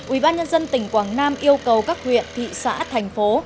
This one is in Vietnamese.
ubnd tỉnh quảng nam yêu cầu các huyện thị xã thành phố